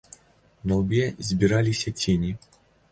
На лбе збіраліся цені.